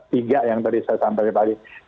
tiga yang tadi saya sampaikan tadi